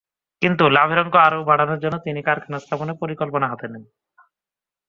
কিন্তু লাভের অঙ্ক আরও বাড়ানোর জন্য তিনি কারখানা স্থাপনের পরিকল্পনা হাতে নেন।